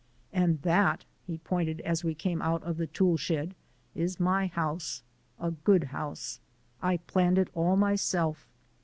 "And that" he pointed as we came out of the tool shed "is my house a good house. I planned it all myself.